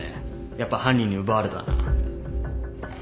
やっぱ犯人に奪われたな。